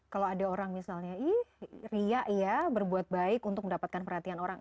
kalau ada orang misalnya ih riak ya berbuat baik untuk mendapatkan perhatian orang